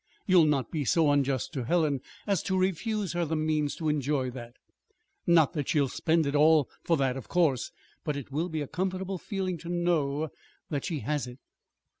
You'll not be so unjust to Helen as to refuse her the means to enjoy that! not that she'll spend it all for that, of course. But it will be a comfortable feeling to know that she has it."